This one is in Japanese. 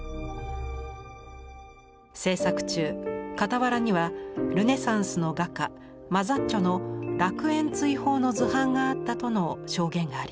制作中傍らにはルネサンスの画家マザッチョの「楽園追放」の図版があったとの証言があります。